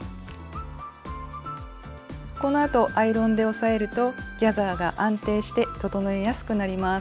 このあとアイロンで押さえるとギャザーが安定して整えやすくなります。